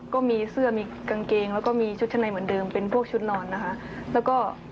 ก็มีเสื้อมีกางเกงแล้วก็มีชุดชั้นในเหมือนเดิมเป็นพวกชุดนอนนะคะแล้วก็